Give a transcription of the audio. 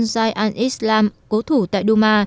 jaisal islam cố thủ tại duma